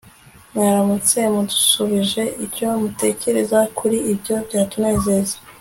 muramutse mudushubije icyo mutekereza kuri ibyo byatunezeza